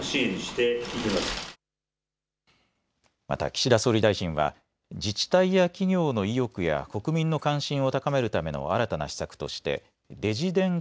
また岸田総理大臣は自治体や企業の意欲や国民の関心を高めるための新たな施策としてＤｉｇｉ田